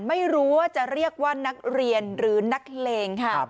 ไม่รู้ว่าจะเรียกว่านักเรียนหรือนักเลงค่ะ